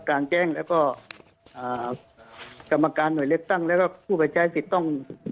กลางแจ้งแล้วก็อ่ากรรมการหน่วยเลือกตั้งแล้วก็ผู้ไปใช้สิทธิ์ต้อง